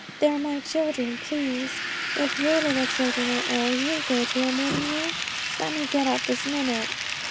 They're my children, please. If your little children were ill, you'd go to 'em wouldn't you? Let me get up this minute.'